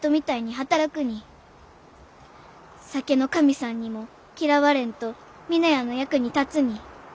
酒の神さんにも嫌われんと峰屋の役に立つに。